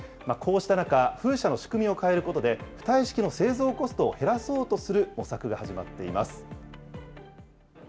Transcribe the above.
こうした中、風車の仕組みを変えることで、浮体式の製造コストを減らそうとする模索が始まっています。